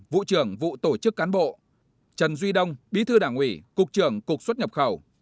vụ trưởng vụ tổ chức cán bộ trần duy đông bí thư đảng ủy cục trưởng cục xuất nhập khẩu